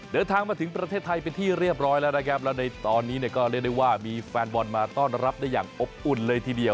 เดินทางมาถึงประเทศไทยเป็นที่เรียบร้อยแล้วนะครับแล้วในตอนนี้เนี่ยก็เรียกได้ว่ามีแฟนบอลมาต้อนรับได้อย่างอบอุ่นเลยทีเดียว